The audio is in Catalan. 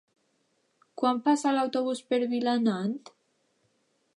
Quan passa l'autobús per Vilanant?